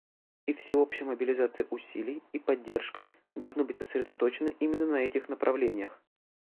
И всеобщая мобилизация усилий и поддержка должны быть сосредоточены именно на этих направлениях.